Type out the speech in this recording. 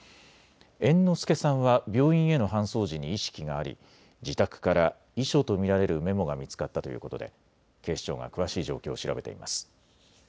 猿之助さんは病院への搬送時に意識があり自宅から遺書と見られるメモが見つかったということで警視庁が詳しい状況を調べています。